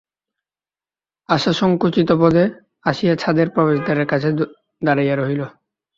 আশা সংকুচিতপদে আসিয়া ছাদের প্রবেশদ্বারের কাছে দাঁড়াইয়া রহিল।